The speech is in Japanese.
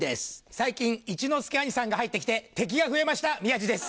最近一之輔兄さんが入ってきて敵が増えました宮治です